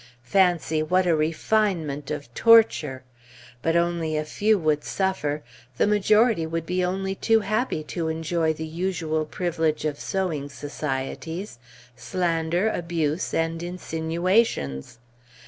Fancy what a refinement of torture! But only a few would suffer; the majority would be only too happy to enjoy the usual privilege of sewing societies, slander, abuse, and insinuations.